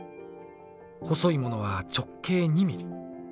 細いものは直径２ｍｍ。